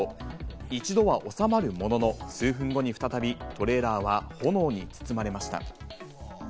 一度は収まるものの数分後に再びトレーラーは炎に包まれました。